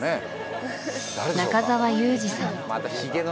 中澤佑二さん。